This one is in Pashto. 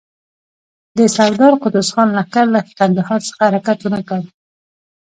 د سردار قدوس خان لښکر له کندهار څخه حرکت ونه کړ.